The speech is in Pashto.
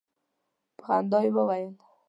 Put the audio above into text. په خندا یې ویل.